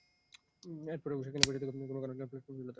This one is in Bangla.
এরপরেও সেখানে বসে থাকো কোন কারণ ছাড়া প্লাটফর্মে ঝুলে থাকো।